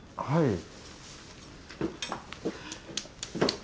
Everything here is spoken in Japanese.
はい。